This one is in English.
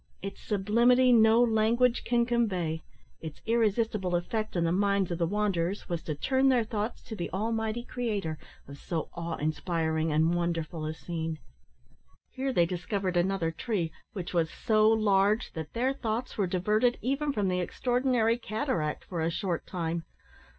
Its sublimity no language can convey. Its irresistible effect on the minds of the wanderers was to turn their thoughts to the almighty Creator of so awe inspiring and wonderful a scene. Here they discovered another tree, which was so large that their thoughts were diverted even from the extraordinary cataract for a short time.